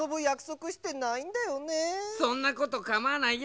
そんなことかまわないよ